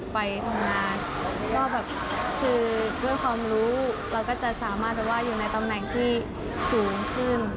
เพื่อความรู้เราก็จะสามารถอยู่ในตำแหน่งที่สูงขึ้น